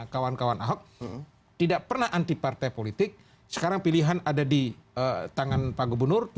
kawan kawan ahok tidak pernah anti partai politik sekarang pilihan ada di tangan pak gubernur